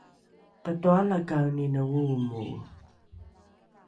tatoalakaenine oomoe